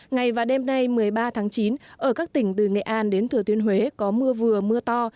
ngày và đêm nay một mươi ba tháng chín ở các tỉnh từ nghệ an đến thừa thiên huế có mưa vừa mưa to